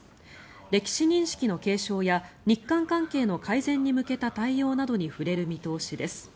歴史認識の継承や日韓関係の改善に向けた対応などに触れる見通しです。